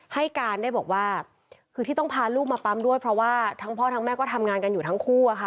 ให้การได้บอกว่าคือที่ต้องพาลูกมาปั๊มด้วยเพราะว่าพ่อเม่าทำงานอยู่ทั้งคู่ค่ะ